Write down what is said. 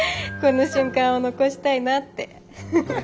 この瞬間を残したいなって。